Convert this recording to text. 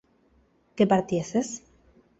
¿que partieses?